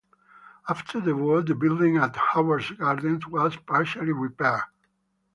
After the war the building at Howard Gardens was partially repaired.